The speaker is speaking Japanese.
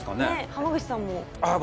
濱口さんもああ